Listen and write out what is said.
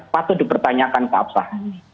patut dipertanyakan keabsah